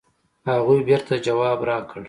هغوی بېرته ځواب راکړ.